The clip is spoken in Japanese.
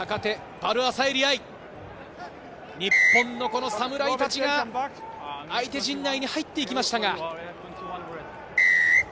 日本の侍たちが相手陣内に入っていきましたが。